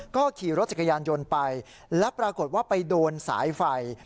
ก็ขี่รถจักรยานยนต์ไปแล้วปรากฏว่าไปโดนสายไฟ